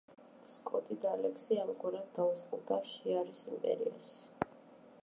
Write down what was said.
სკოტი და ალექსი ამგვარად დაუსხლტა შიარის იმპერიას.